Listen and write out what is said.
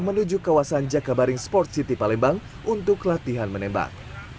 menuju kawasan jakabaring sport city palembang untuk latihan menembak